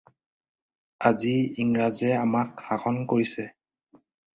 আজি ইংৰাজে আমাক শাসন কৰিছে।